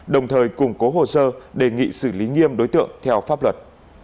đồng thời củng cố hồ sơ đề nghị xử lý nghiêm đối tượng theo pháp luật